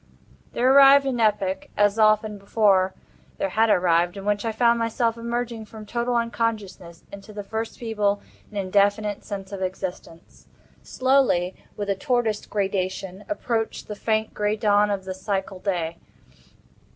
There arrived an epoch—as often before there had arrived—in which I found myself emerging from total unconsciousness into the first feeble and indefinite sense of existence. Slowly—with a tortoise gradation—approached the faint gray dawn of the psychal day.